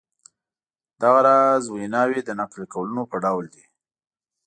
دغه راز ویناوی د نقل قولونو په ډول دي.